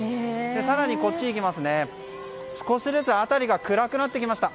更に、こっちに行きますと少しずつ辺りが暗くなってきました。